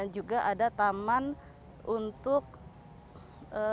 juga ada taman untuk dermaga dan